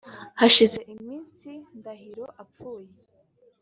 Hashize iminsi Ndahiro apfuye